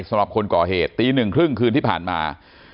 สำหรับคนก่อเหตุตีหนึ่งครึ่งคืนที่ผ่านมา